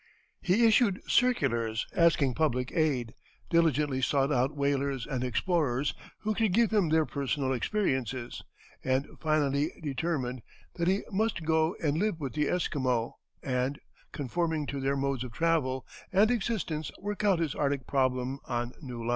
He issued circulars asking public aid, diligently sought out whalers and explorers who could give him their personal experiences, and finally determined that he must go and live with the Esquimaux, and, conforming to their modes of travel and existence, work out his Arctic problem on new lines.